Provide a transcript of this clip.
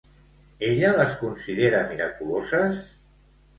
Ella les considera miraculoses?